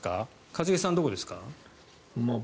一茂さん、どこですか？